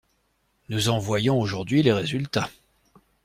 Nous en voyons aujourd’hui les résultats.